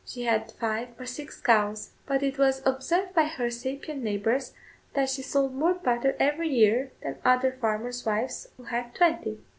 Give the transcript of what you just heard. She had five or six cows; but it was observed by her sapient neighbours that she sold more butter every year than other farmers' wives who had twenty.